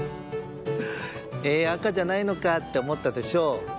「え赤じゃないのか」っておもったでしょう？